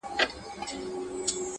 مسافري خواره خواري ده-